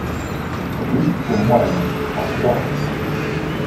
Rue Aux Moines à Troyes